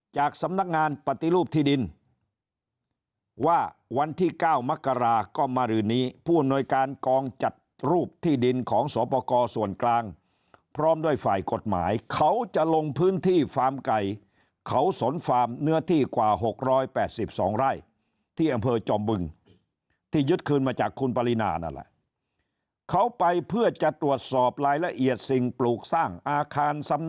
จากสำนักงานปฏิรูปที่ดินว่าวันที่๙มกราก็มารือนี้ผู้อำนวยการกองจัดรูปที่ดินของสวปกรส่วนกลางพร้อมด้วยฝ่ายกฎหมายเขาจะลงพื้นที่ฟาร์มไก่เขาสนฟาร์มเนื้อที่กว่า๖๘๒ไร่ที่อำเภอจอมบึงที่ยึดคืนมาจากคุณปรินานั่นแหละเขาไปเพื่อจะตรวจสอบรายละเอียดสิ่งปลูกสร้างอาคาร